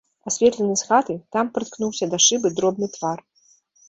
Асветлены з хаты, там прыткнуўся да шыбы дробны твар.